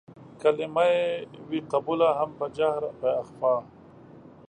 کلمه يې وي قبوله هم په جهر په اخفا